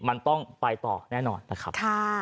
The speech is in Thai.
มันต้องไปต่อแน่นอนนะครับ